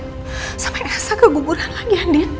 kalau sampai elsa keguguran lagi andin